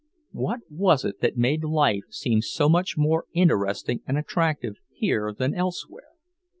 What was it that made life seem so much more interesting and attractive here than elsewhere?